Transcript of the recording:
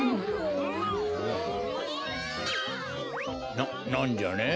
ななんじゃね？